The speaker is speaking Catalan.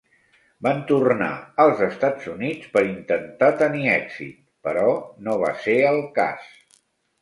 Van tornar als Estats Units per intentar tenir èxit, però no va ser el cas.